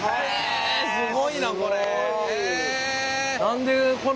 すごいなこれ。